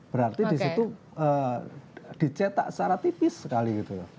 berarti di situ dicetak secara tipis sekali gitu loh